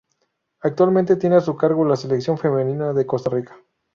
Actualmente tiene a su cargo la Selección femenina de Costa Rica.